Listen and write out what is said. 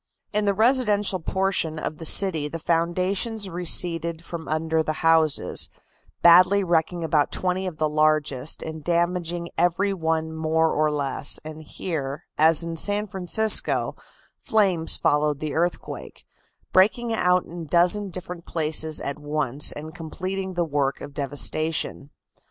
In the residential portion of the city the foundations receded from under the houses, badly wrecking about twenty of the largest and damaging every one more or less; and here, as in San Francisco, flames followed the earthquake, breaking out in a dozen different places at once and completing the work of devastation.